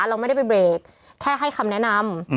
เราไม่ได้ไปเบรกแค่ให้คำแนะนำ